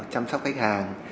chăm sóc khách hàng